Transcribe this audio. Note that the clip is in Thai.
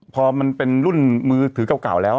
พอมันเป็นรุ่นมือถือเก่าแล้ว